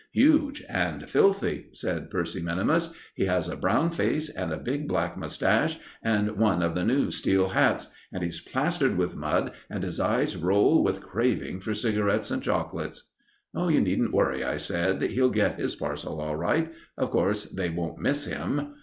"Huge and filthy," said Percy minimus. "He has a brown face and a big, black moustache and one of the new steel hats; and he's plastered with mud, and his eyes roll with craving for cigarettes and chocolates." "You needn't worry," I said. "He'll get his parcel all right. Of course, they won't miss him."